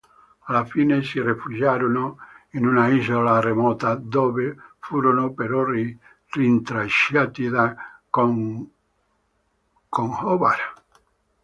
Alla fine si rifugiarono in una isola remota, dove furono però rintracciati da Conchobar.